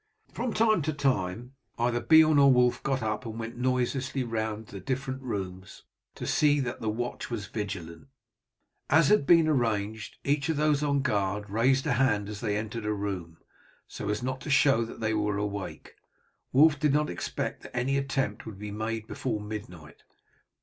From time to time either Beorn or Wulf got up and went noiselessly round to the different rooms to see that the watch was vigilant. As had been arranged, each of those on guard raised a hand as they entered a room, so as to show that they were awake. Wulf did not expect that any attempt would be made before midnight.